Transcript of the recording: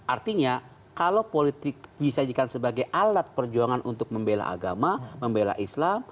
artinya kalau politik disajikan sebagai alat perjuangan untuk membela agama membela islam